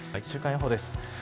週間予報です。